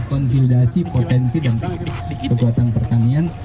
konsolidasi potensi dan kekuatan pertanian